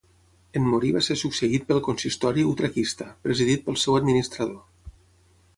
En morir va ser succeït pel Consistori Utraquista, presidit pel seu administrador.